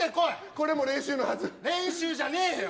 これも練習のはず練習じゃねえよ